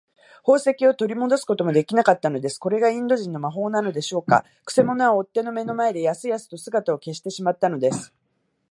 宝石をとりもどすこともできなかったのです。これがインド人の魔法なのでしょうか。くせ者は追っ手の目の前で、やすやすと姿を消してしまったのです。